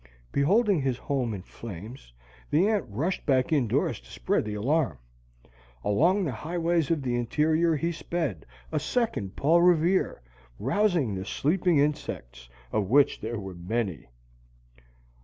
Beholding his home in flames, the ant rushed back indoors to spread the alarm. Along the highways of the interior he sped, a second Paul Revere, rousing the sleeping insects, of which there were many.